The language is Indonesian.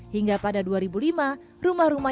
hingga pada dua ribu lima rumah rumahnya ditawar